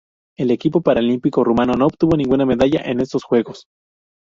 El equipo paralímpico rumano no obtuvo ninguna medalla en estos Juegos.